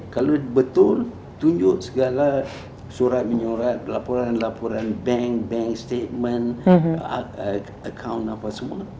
kalau betul tunjuk segala surat menyurat laporan laporan bank bank statement account apa semua